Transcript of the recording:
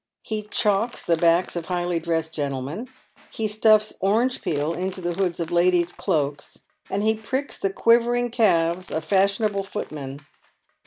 He chalks the backs of highly dressed gentlemen ; he stuffs orange peel into the hoods of ladies' cloaks, and he pricks the quivering calves of fashionable foot men.